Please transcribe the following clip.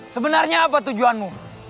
sebenarnya apa tujuanmu